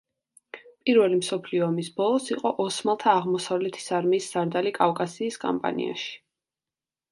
პირველი მსოფლიო ომის ბოლოს იყო ოსმალთა აღმოსავლეთის არმიის სარდალი კავკასიის კამპანიაში.